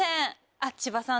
あっ千葉さん